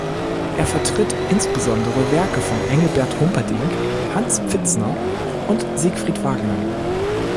Er vertritt insbesondere Werke von Engelbert Humperdinck, Hans Pfitzner und Siegfried Wagner.